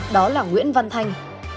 đó là nguyễn văn thành